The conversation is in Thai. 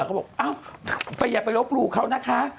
เขาบอกว่าไปอย่าไปลดรูดเขานะคะ